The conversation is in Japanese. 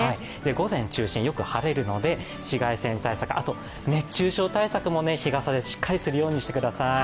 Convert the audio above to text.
午前を中心によく晴れるので紫外線対策、あと熱中症対策も日傘でしっかりするようにしてください。